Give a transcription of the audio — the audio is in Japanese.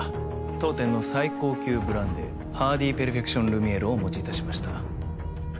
当店の最高級ブランデーハーディーペルフェクションルミエールをお持ちいたしました